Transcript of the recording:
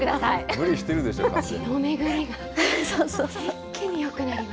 無理してるでしょう、完全に。